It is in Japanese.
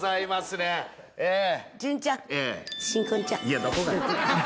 いやどこがや！